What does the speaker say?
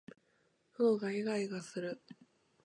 喉がいがいがする